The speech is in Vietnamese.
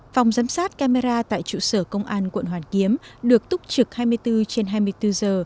phòng giám sát camera tại trụ sở công an quận hoàn kiếm được túc trực hai mươi bốn trên hai mươi bốn giờ